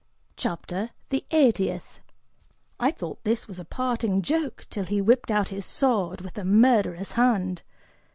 CHAPTER THE EIGHTIETH. I thought this was a parting joke till he whipped out his sword, with a murderous hand.